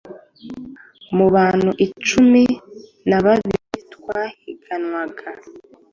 Mu bantu cumi nababiri twahiganwaga